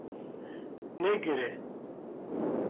Negire